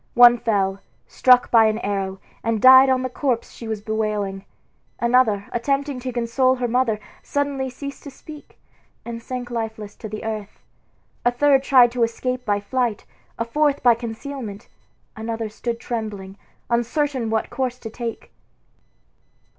One fell, struck by an arrow, and died on the corpse she was bewailing. Another, attempting to console her mother, suddenly ceased to speak, and sank lifeless to the earth. A third tried to escape by flight, a fourth by concealment, another stood trembling, uncertain what course to take.